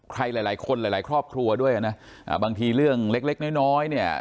ใครหลายคนหลายครอบครัวด้วยนะบางทีเรื่องเล็กน้อยเนี่ย